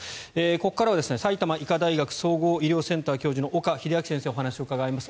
ここからは埼玉医科大学総合医療センター教授の岡秀昭先生にお話を伺います。